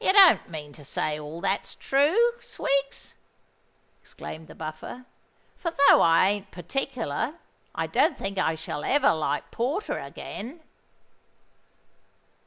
"You don't mean to say all that's true, Swiggs?" exclaimed the Buffer; "for though I ain't partickler, I don't think I shall ever like porter again."